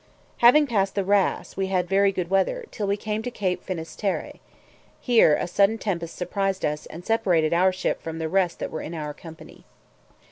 Having passed the Ras, we had very good weather, till we came to Cape Finis Terræ: here a sudden tempest surprised us, and separated our ship from the rest that were in our company.